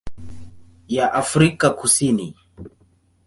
ya Afrika Kusini.